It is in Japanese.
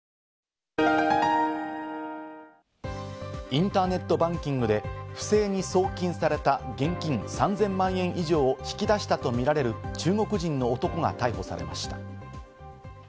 インターネットバンキングで不正に送金された現金３０００万円以上を引き出したとみられる中国人の男が逮捕されました。